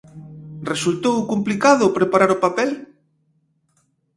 Resultou complicado preparar o papel?